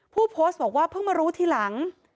ผู้โพสต์บอกว่าเพิ่งมารู้ทีหลัง